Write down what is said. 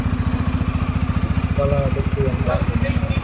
மின்கல அடுக்கு என்றால் என்ன?